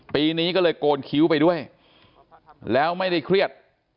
ปีนี้ก็เลยโกนคิ้วไปด้วยแล้วไม่ได้เครียด